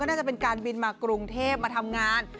น่าจะเป็นการบินมากรุงเทพมาทำงาน